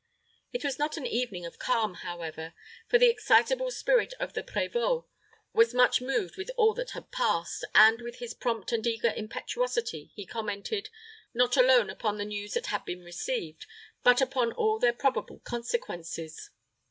It was not an evening of calm, however; for the excitable spirit of the prévôt was much moved with all that had passed, and with his prompt and eager impetuosity he commented, not alone upon the news that had been received, but upon all their probable consequences.